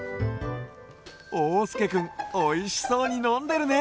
おうすけくんおいしそうにのんでるね！